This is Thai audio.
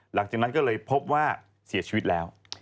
หลังจากนั้นก็เลยพบว่าเสียชีวิตแล้ว